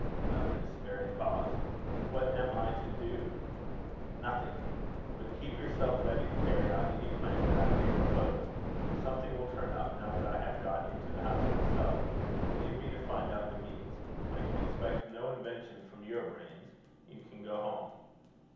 Another despairing pause. "What am I to do?" "Nothing. But keep yourself ready to carry out any plan that I may propose. Something will turn up, now that I have got into the house myself. Leave me to find out the means. I can expect no invention from your brains. You can go home."